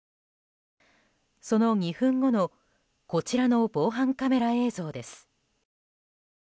その２分後のこちらの防犯カメラ映像です。